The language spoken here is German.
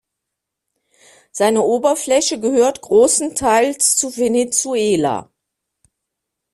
Seine Oberfläche gehört großenteils zu Venezuela.